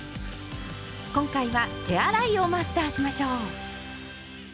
今回は手洗いをマスターしましょう。